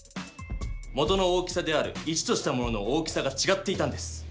元の大きさである１としたものの大きさがちがっていたんです。